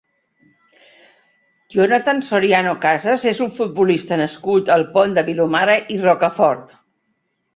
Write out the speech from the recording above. Jonathan Soriano Casas és un futbolista nascut al Pont de Vilomara i Rocafort.